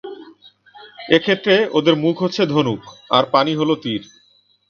এক্ষেত্রে ওদের মুখ হচ্ছে ধনুক, আর পানি হলো তির।